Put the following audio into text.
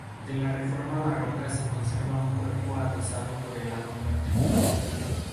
De la reforma barroca se conserva un cuerpo adosado por el lado norte.